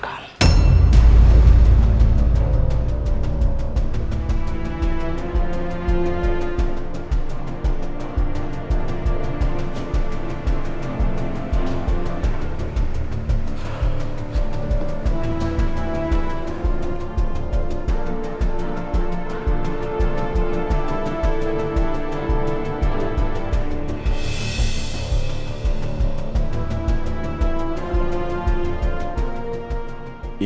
aku akan berhenti